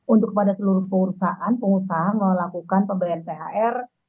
untuk kepada seluruh perusahaan pengusaha melakukan pembelian thr